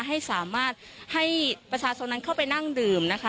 ให้สามารถให้ประชาชนนั้นเข้าไปนั่งดื่มนะคะ